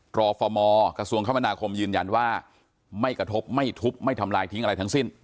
รฟมกระทรวงคมนาคมยืนยันว่าไม่กระทบไม่ทุบไม่ทำลายทิ้งอะไรทั้งสิ้น